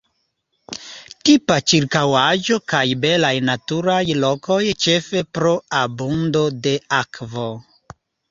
Tipa ĉirkaŭaĵo kaj belaj naturaj lokoj ĉefe pro abundo de akvo.